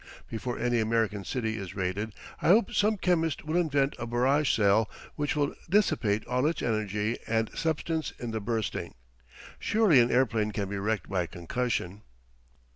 Before any American city is raided I hope some chemist will invent a barrage shell which will dissipate all its energy and substance in the bursting. Surely an airplane can be wrecked by concussion.